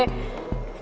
jadi flat banget